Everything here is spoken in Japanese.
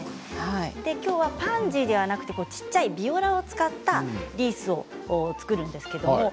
今日はパンジーではなく小っちゃいビオラを使ったリースを作ります。